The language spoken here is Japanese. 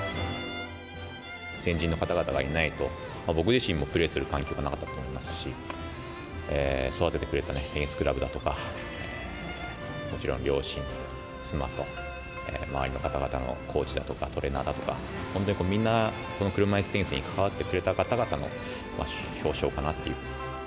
先人の方々がいないと、僕自身もプレーする環境がなかったと思いますし、育ててくれたテニスクラブだとか、もちろん両親、妻と、周りの方々のコーチだとかトレーナーだとか、本当にみんな、この車いすテニスに関わってくれた方々の表彰かなっていう。